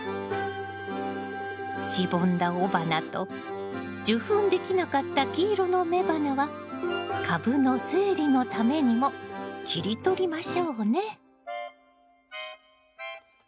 しぼんだ雄花と受粉できなかった黄色の雌花は株の整理のためにも切り取りましょうね。